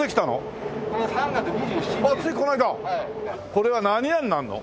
これは何屋になるの？